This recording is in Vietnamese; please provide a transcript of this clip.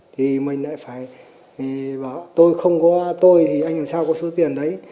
thì mình lại phải bảo tôi không có tôi thì anh làm sao có số tiền đấy